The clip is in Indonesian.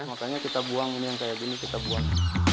makanya kita buang ini yang kayak gini kita buang